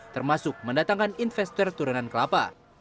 termasuk mendatangkan investor turunan kelapa